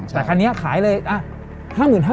แต่คันนี้ขายเลย๕๕๐๐๐บาท